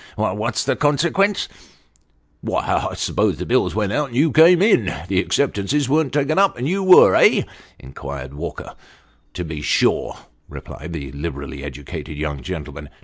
What's the consequence ?"'' Why, I suppose the bills went out, and you came in. The accep tances weren't taken up, and you were, eh ?" inquired Walker. " To be sure," replied the liberally educated young gentleman.